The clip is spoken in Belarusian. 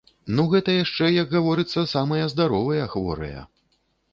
Ну гэта яшчэ, як гаворыцца, самыя здаровыя хворыя.